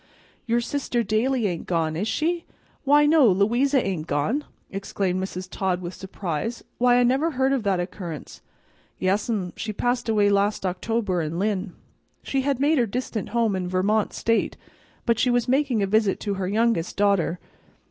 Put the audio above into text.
"Your sister Dailey ain't gone, is she? Why, no, Louisa ain't gone!" exclaimed Mrs. Todd, with surprise. "Why, I never heard of that occurrence!" "Yes'm; she passed away last October, in Lynn. She had made her distant home in Vermont State, but she was making a visit to her youngest daughter.